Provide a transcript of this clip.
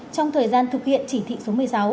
trong thời gian thực hiện chỉ thị số một mươi sáu